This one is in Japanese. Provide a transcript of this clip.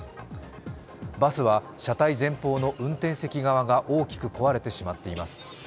バスは車体前方の運転席側が大きく壊れてしまっています。